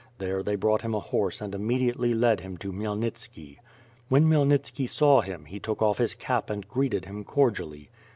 There, they brought him a horse and immediately led him to Khmyelnitski. When Khmyelnitski saw him, he took off his cap and greeted him cordially.